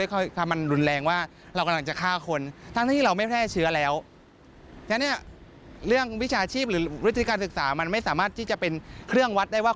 อย่างนี้เรื่องวิชาชีพหรือวิธีการศึกษามันไม่สามารถที่จะเป็นเครื่องวัดได้ว่า